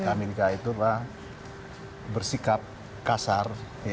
amerika itu adalah bersikap kasar